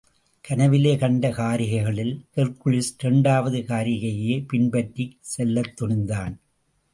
கனவிலே கண்ட காரிகைகளில் ஹெர்க்குலிஸ் இரண்டாவது காரிகையையே பின்பற்றிச் செல்லத் துணிந்தான்.